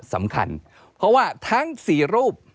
สำคัญเพราะว่าทั้ง๔รูป